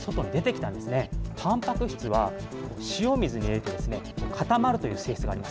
たんぱく質は塩水に入れると固まるという性質があります。